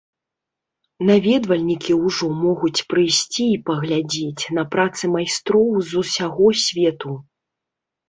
Наведвальнікі ўжо могуць прыйсці і паглядзець на працы майстроў з усяго свету.